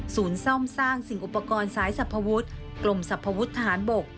ศูนย์ซ่อมสร้างสิ่งอุปกรณ์สายสภวุธกลมสภวุธทหารบก